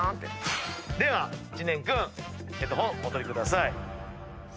では知念君ヘッドホンお取りください。